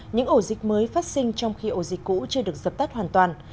những ổ dịch mới phát sinh trong khi ổ dịch cũ chưa được dập tắt hoàn toàn